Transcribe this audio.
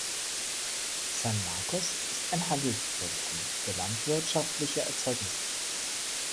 San Marcos ist ein Handelszentrum für landwirtschaftliche Erzeugnisse.